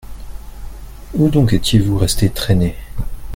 Où donc étiez-vous resté traîner ?